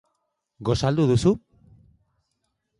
Gosaldu duzu?